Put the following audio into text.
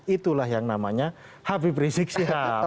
itulah yang namanya hp prizik siap